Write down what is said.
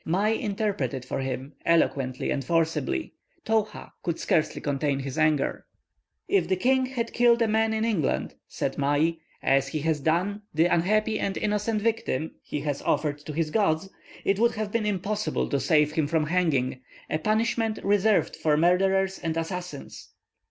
Mai interpreted for him, eloquently and forcibly. Towha could scarcely contain his anger. "If the king had killed a man in England," said Mai, "as he has done the unhappy and innocent victim he has offered to his gods, it would have been impossible to save him from hanging, a punishment reserved for murderers and assassins."